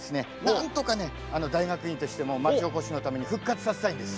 なんとかね大学院としても町おこしのために復活させたいんです。